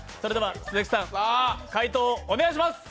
鈴木さん、回答をお願いします！